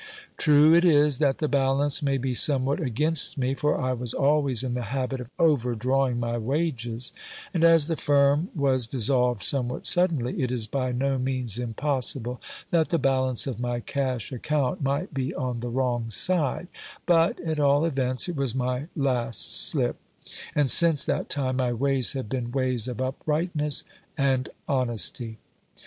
True it is that the balance may be somewhat against me, for I was always in the habit of overdrawing my wages ; and as the firm was dissolved somewhat suddenly, it is by no means impossible that the balance of my cash account might be on the wrong side : but, at all events, it was my last slip ; and since that time my ways have been ways of uprightness and honesty.